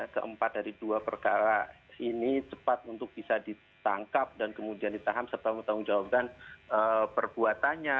keempat dari dua perkara ini cepat untuk bisa ditangkap dan kemudian ditahan serta bertanggung jawabkan perbuatannya